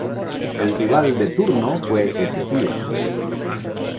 El rival de turno fue Etiopía.